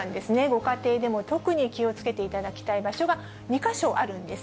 ご家庭でも、特に気をつけていただきたい場所が２か所あるんです。